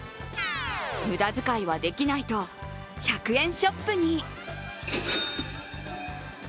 無駄使いはできないと１００円ショップに。